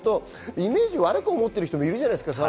イメージ悪く思っている方もいるじゃないですか